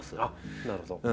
なるほど。